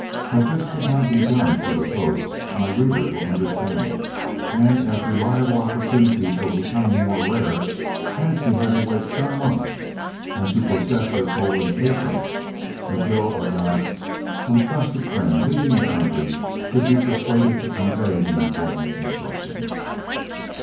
That this could not be done through the post, my reader will understand, and as reliable opportunities were becoming more rare, Hansie had to wait some months and to possess her soul in patience until at last some trusted friend, leaving the country, could be persuaded to convey the important instructions.